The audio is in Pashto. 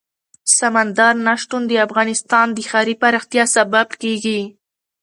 سمندر نه شتون د افغانستان د ښاري پراختیا سبب کېږي.